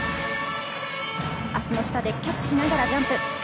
足の下でキャッチしながらジャンプ。